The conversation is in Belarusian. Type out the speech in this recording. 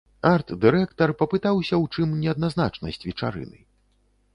Арт-дырэктар папытаўся ў чым неадназначнасць вечарыны.